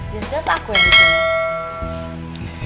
biasa aku yang ditanya